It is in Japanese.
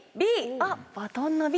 あっバトンのＢ